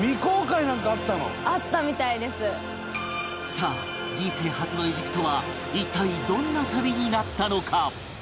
さあ人生初のエジプトは一体どんな旅になったのか？